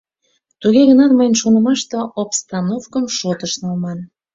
— Туге гынат, мыйын шонымаште, обстановкым шотыш налман.